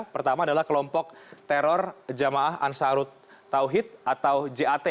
pertama adalah kelompok teror jamaah ansarut tauhid atau jat